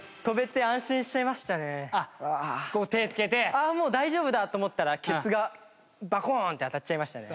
ああもう大丈夫だと思ったらケツがバコーンって当たっちゃいましたね。